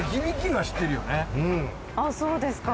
あっそうですか。